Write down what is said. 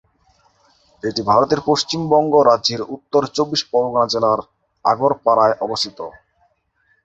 এটি ভারতের পশ্চিমবঙ্গ রাজ্যের উত্তর চব্বিশ পরগণা জেলার আগরপাড়ায় অবস্থিত।